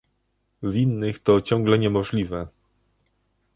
W innych to ciągle niemożliwe